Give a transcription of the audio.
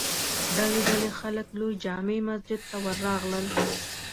ډلې ډلې خلک لوی جامع مسجد ته ور راغلل.